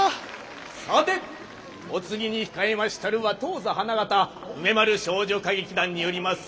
さてお次に控えましたるは当座花形梅丸少女歌劇団によります